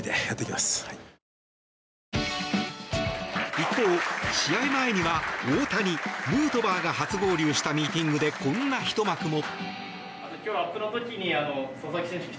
一方、試合前には大谷、ヌートバーが初合流したミーティングでこんなひと幕も。